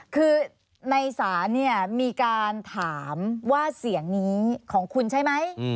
คือในศาลเนี่ยมีการถามว่าเสียงนี้ของคุณใช่ไหม